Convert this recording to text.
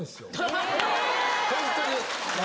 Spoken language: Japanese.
ホントに。